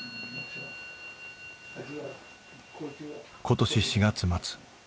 今年４月末。